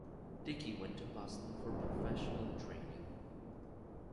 Dickey went to Boston for professional training.